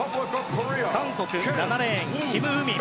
韓国、７レーンキム・ウミン。